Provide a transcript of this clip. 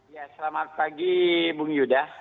ya selamat pagi bung yuda